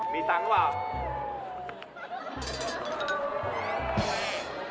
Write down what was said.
มีตังค์หรือเปล่า